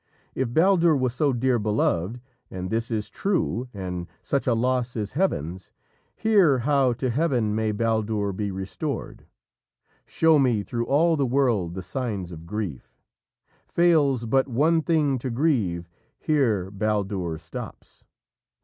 if Baldur was so dear beloved, And this is true, and such a loss is Heaven's Hear, how to Heaven may Baldur be restored. Show me through all the world the signs of grief! Fails but one thing to grieve, here Baldur stops!